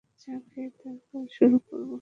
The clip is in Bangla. চা খেয়ে তারপর শুরু করব।